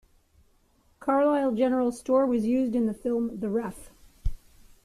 Carlisle General Store was used in the film The Ref.